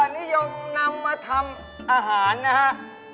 นิยมนำมาทำอาหารนะครับ